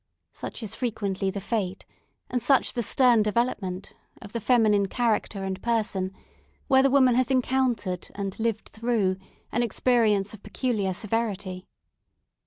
Such is frequently the fate, and such the stern development, of the feminine character and person, when the woman has encountered, and lived through, an experience of peculiar severity.